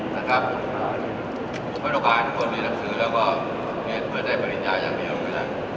ไม่ต้องการทุกคนเรียนหนังสือแล้วก็เรียนเพื่อได้บริญญาณอย่างเดียวกัน